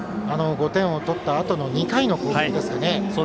５点を取ったあとの２回ですかね。